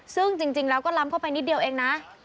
ซึ่งจริงแล้วก็ล้ำเข้าไปนิดเดียวเองนะ